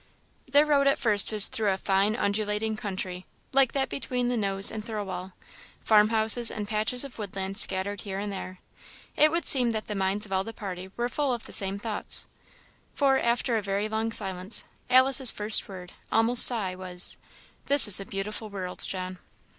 Their road at first was through a fine undulating country, like that between the Nose and Thirlwall; farmhouses and patches of woodland scattered here and there. It would seem that the minds of all the party were full of the same thoughts, for, after a very long silence, Alice's first word, almost sigh, was "This is a beautiful world, John!"